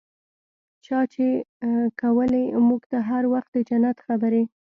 چا چې کولې موږ ته هر وخت د جنت خبرې.